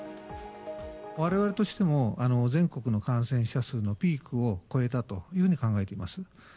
われわれとしても、全国の感染者数のピークを越えたというふうに考えています。